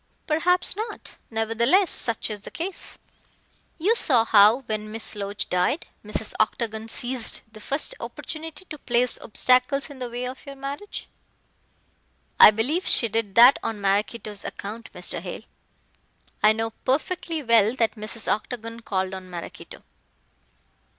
"Perhaps not. Nevertheless, such is the case. You saw how, when Miss Loach died, Mrs. Octagon seized the first opportunity to place obstacles in the way of your marriage." "I believe she did that on Maraquito's account, Mr. Hale. I know perfectly well that Mrs. Octagon called on Maraquito."